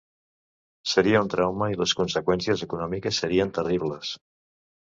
Seria un trauma i les conseqüències econòmiques serien terribles.